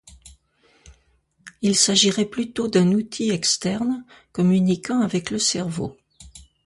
Il s'agirait plutôt d'un outil externe communiquant avec le cerveau.